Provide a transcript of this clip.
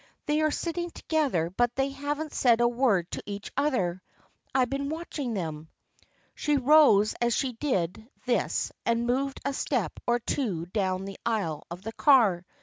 They are sitting together but they haven't said a word to each other. I've been watching them." She rose as she said this and moved a step or two down the aisle of the car.